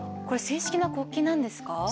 これ正式な国旗なんですか？